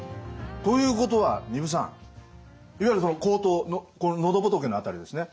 ということは丹生さんいわゆる喉頭喉仏の辺りですね